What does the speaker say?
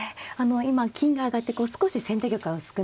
今金が上がって少し先手玉は薄くなったと。